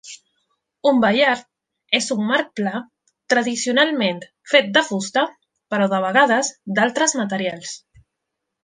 Un baiard és un marc pla, tradicionalment fet de fusta però de vegades d'altres materials.